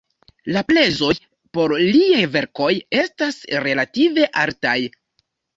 La prezoj por liaj verkoj estas relative altaj.